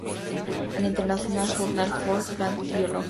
An International Journal for Plant Biology.